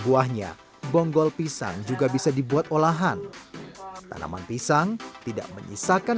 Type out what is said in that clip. buahnya bonggol pisang juga bisa dibuat olahan tanaman pisang tidak menyisakan